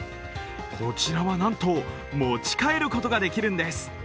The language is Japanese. こちらは、なんと持ち帰ることができるんです。